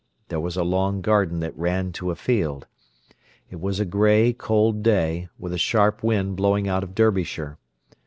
There was a long garden that ran to a field. It was a grey, cold day, with a sharp wind blowing out of Derbyshire.